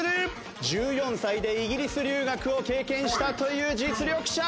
１４歳でイギリス留学を経験したという実力者。